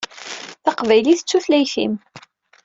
D taqbaylit i d tutlayt-im.